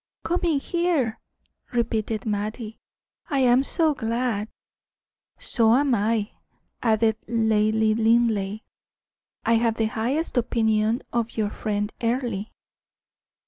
"Coming here!" repeated Mattie. "I am so glad!" "So am I," added Lady Linleigh. "I have the highest opinion of your friend Earle."